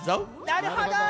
なるほど！